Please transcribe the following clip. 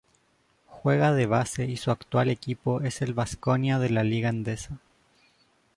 Juega de base y su actual equipo es el Baskonia de la Liga Endesa.